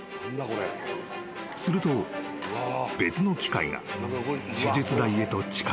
［すると別の機械が手術台へと近づいていく］